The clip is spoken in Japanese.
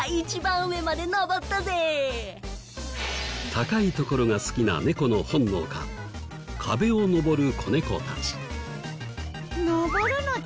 高い所が好きな猫の本能か壁を登る子猫たち。